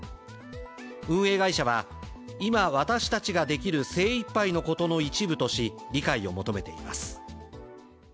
運営会社は、今、私たちができる精いっぱいのことの一部とし理解を求めています。